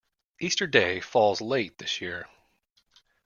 Easter Day falls late this year